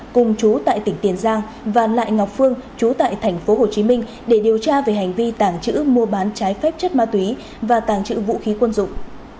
cùng chú tại tỉnh tiền giang và lại ngọc phương chú tại tp hcm để điều tra về hành vi tàng trữ mua bán trái phép chất ma túy và tàng trữ vũ khí quân dụng